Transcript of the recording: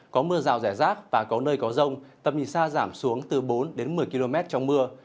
có mưa rào rẻ rác và có nơi có rông tầm nhìn xa giảm xuống từ bốn một mươi km trong mưa